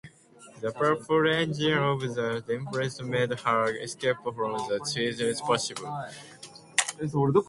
The powerful engines of the destroyer made her escape from the squeeze possible.